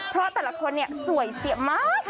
เพราะแต่ละคนเนี่ยสวยเสียมาก